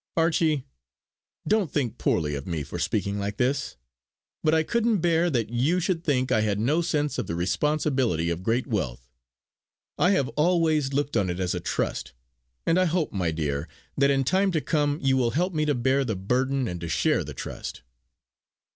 Archie, don't think poorly of me for speaking like this; but I couldn't bear that you should think I had no sense of the responsibility of great wealth. I have always looked on it as a trust; and I hope, my dear, that in time to come you will help me to bear the burden and to share the trust!"